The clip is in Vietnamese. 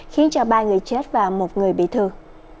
khiến ba người chết và một người bị thương